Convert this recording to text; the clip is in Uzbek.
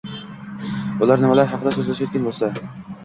Ular nimalar haqida so’zlashayotgan bo’lsa?